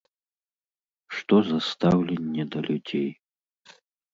Што за стаўленне да людзей?